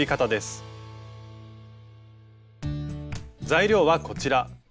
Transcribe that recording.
材料はこちら。